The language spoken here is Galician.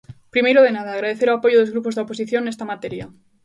Primeiro de nada, agradecer o apoio dos grupos da oposición nesta materia.